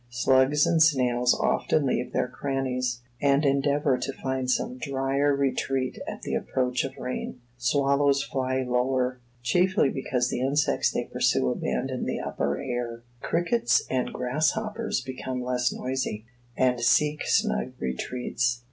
Slugs and snails often leave their crannies, and endeavor to find some drier retreat at the approach of rain. Swallows fly lower; chiefly because the insects they pursue abandon the upper air. Crickets and grasshoppers become less noisy, and seek snug retreats.